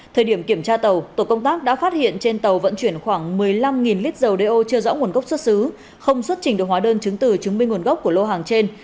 thời điểm kiểm tra tàu tổ công tác đã phát hiện trên tàu vận chuyển khoảng một mươi năm lít dầu đeo chưa rõ nguồn gốc xuất xứ không xuất trình được hóa đơn chứng từ chứng minh nguồn gốc của lô hàng trên